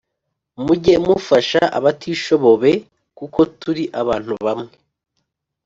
Mujye mufasha abatishobobe kuko turi abantu bamwe